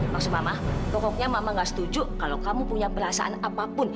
maksud mama pokoknya mama gak setuju kalau kamu punya perasaan apapun